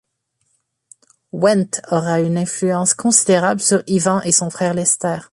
Wendt aura une influence considérable sur Ivan et son frère Lester.